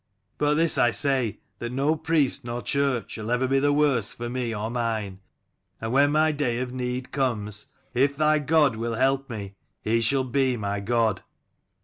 But this I say, that no priest nor church shall ever be the worse for me or mine : and when my day of need comes, if thy God will help me, he shall be my God."